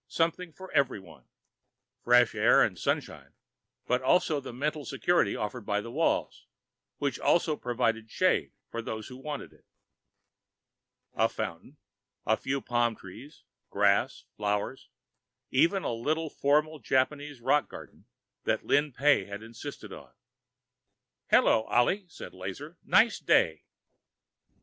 Something for everyone. Fresh air and sun shine, but also the mental security offered by the walls, which also provided shade for those who wanted it. A fountain, a few palm trees, grass, flowers, even the little formal Japanese rock garden that Lin Pey had insisted on. "Hello, Ollie," said Lazar. "Nice day."